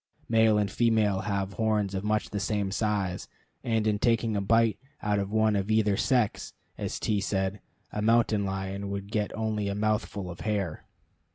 Male and female have horns of much the same size; and in taking a bite out of one of either sex, as T said, a mountain lion would get only a mouthful of hair.